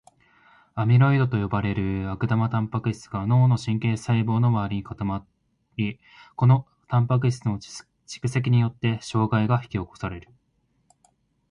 アミロイドと呼ばれる悪玉タンパク質が脳の神経細胞の周りに固まり、このタンパク質の蓄積によって障害が引き起こされる。